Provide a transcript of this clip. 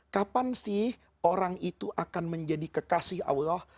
kapan sih orang itu akan menjadi kekasih allah